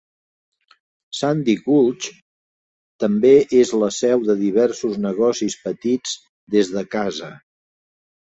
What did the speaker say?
Sandy Gulch també és la seu de diversos negocis petits des de casa.